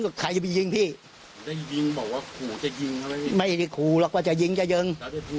ก็ใครจะไปยิงพี่ได้ยิงบอกว่าขู่จะยิงอะไรไม่ได้ขู่หรอกว่าจะยิงจะยิง